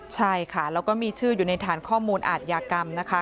ใช่ค่ะแล้วก็มีชื่ออยู่ในฐานข้อมูลอาทยากรรมนะคะ